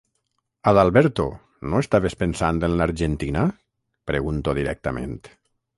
Adalberto, no estaves pensant en l'Argentina? –pregunto directament.